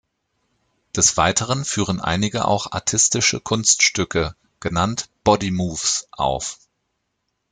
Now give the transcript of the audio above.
Des Weiteren führen einige auch artistische Kunststücke, genannt Body moves auf.